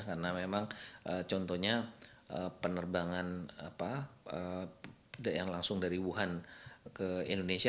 karena memang contohnya penerbangan yang langsung dari wuhan ke indonesia